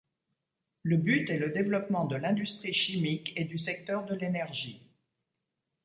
Le but est le développement de l'industrie chimique et du secteur de l'énergie.